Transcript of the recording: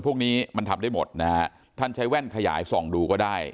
พวกนี้มันทำได้หมดนะฮะท่านใช้แว่นขยายส่องดูก็ได้